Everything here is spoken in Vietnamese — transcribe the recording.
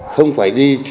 không phải đi trên